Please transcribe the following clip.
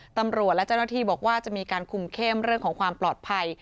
ตำรวจและเจ้าหน้าที่บอกว่าจะมีการคุมเข้มเรื่องของความปลอดภัย